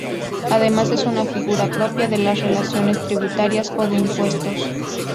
Además es una figura propia de las relaciones tributarias o de impuestos.